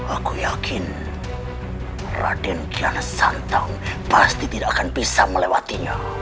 aku yakin raden kianas santo pasti tidak akan bisa melewatinya